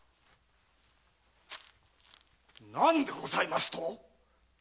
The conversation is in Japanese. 何でございますと？